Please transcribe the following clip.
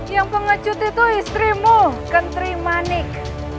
yang pengecut itu istrimu kentri manik